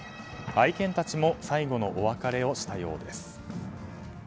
愛犬たちも最後のお別れをしたようです。